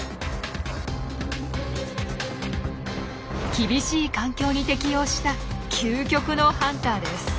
厳しい環境に適応した究極のハンターです。